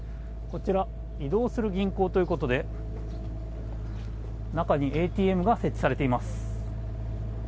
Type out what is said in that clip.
こちら移動する銀行ということで中にＡＴＭが設置されています。